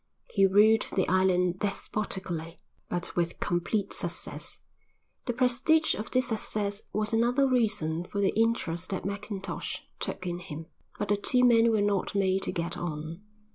He ruled the island despotically, but with complete success. The prestige of this success was another reason for the interest that Mackintosh took in him. But the two men were not made to get on.